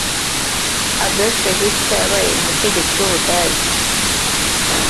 Adolf Hitler yabaye umutegetsi w’ubudage